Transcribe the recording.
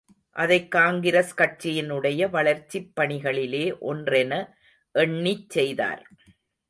அதைக் காங்கிரஸ் கட்சியினுடைய வளர்ச்சிப் பணிகளிலே ஒன்றென எண்ணிச் செய்தார்.